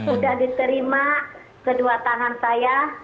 udah diterima kedua tangan saya